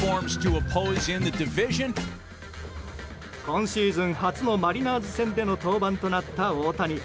今シーズン初のマリナーズ戦での登板となった大谷。